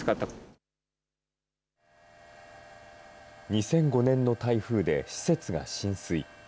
２００５年の台風で施設が浸水。